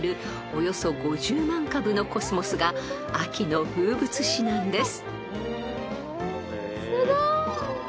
およそ５０万株のコスモスが秋の風物詩なんです］